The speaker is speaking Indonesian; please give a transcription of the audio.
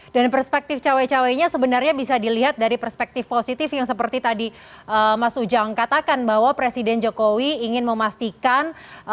perspektif cawe cawe nya sebenarnya bisa dilihat dari perspektif positif yang seperti tadi mas ujang katakan bahwa presiden jokowi ingin memastikan